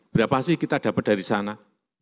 berapa sih kita dapat dari sana